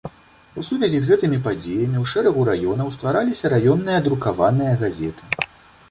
У сувязі з гэтымі падзеямі ў шэрагу раёнаў ствараліся раённыя друкаваныя газеты.